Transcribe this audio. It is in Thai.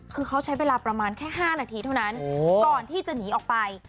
คือเขาใช้เวลาประมาณแค่๕นาทีเท่านั้นก่อนที่จะหนีออกไป